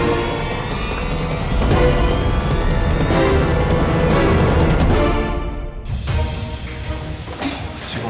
ayo mantap bantu ke kamar ya